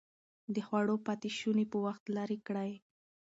د خوړو پاتې شوني په وخت لرې کړئ.